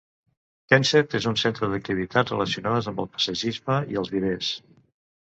Kensett és un centre d'activitats relacionades amb el paisatgisme i els vivers.